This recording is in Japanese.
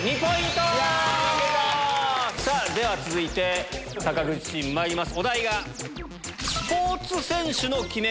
続いて坂口チームまいります。